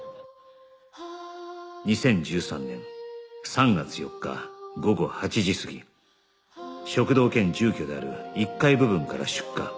２０１３年３月４日午後８時過ぎ食堂兼住居である１階部分から出火